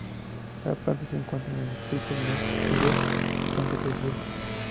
La planta se encuentra en el distrito norte Kírov de San Petersburgo.